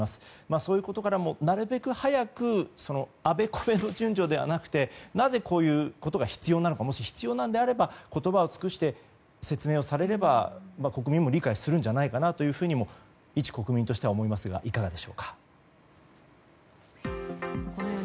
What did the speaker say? そういうことからもなるべく早くあべこべの順序ではなくてなぜこういうことが必要なのかもし必要なのであれば言葉を尽くして説明をされれば国民も理解するんじゃないかなとも一国民としては思いますがいかがでしょうか。